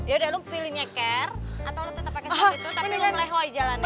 yaudah lu pilih nyeker atau lu tetap pakai sepatu itu tapi lu melehoi jalannya